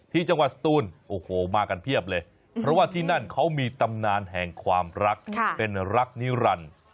ที่จังหวัดสตูนโอ้โหมากันเพียบเลยเพราะว่าที่นั่นเขามีตำนานแห่งความรักเป็นรักนิรันดิ์